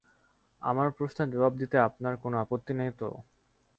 আমার প্রশ্নের জবাব দিতে আপনার কোনো আপত্তি নেই তো?